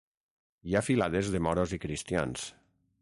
Hi ha filades de moros i cristians.